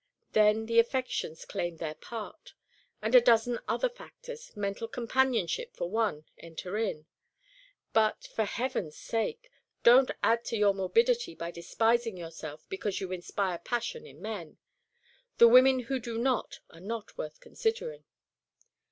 Then the affections claim their part; and a dozen other factors, mental companionship for one, enter in. But, for Heaven's sake, don't add to your morbidity by despising yourself because you inspire passion in men. The women who do not are not worth considering."